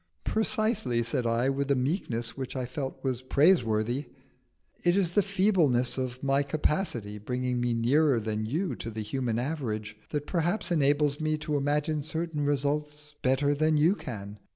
"Precisely," said I, with a meekness which I felt was praiseworthy; "it is the feebleness of my capacity, bringing me nearer than you to the human average, that perhaps enables me to imagine certain results better than you can.